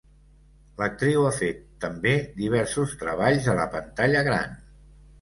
L'actriu ha fet també diversos treballs a la pantalla gran.